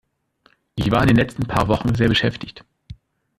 Ich war in den letzten paar Wochen sehr beschäftigt.